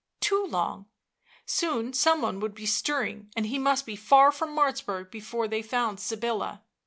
— too long — soon some one would be stirring, and he must be far from Martzburg before they found Sybilla.